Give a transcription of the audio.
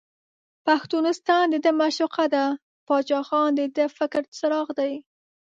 پښتونستان دده معشوقه ده، باچا خان دده د فکر څراغ دی.